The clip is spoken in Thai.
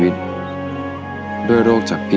แบบนี้ก็ได้